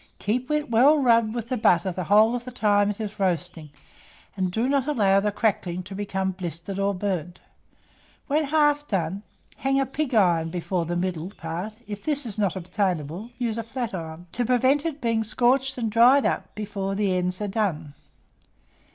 Keep it well rubbed with the butter the whole of the time it is roasting, and do not allow the crackling to become blistered or burnt. When half done, hang a pig iron before the middle part (if this is not obtainable, use a flat iron), to prevent its being scorched and dried up before the ends are done.